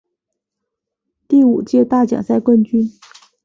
第五届大奖赛冠军。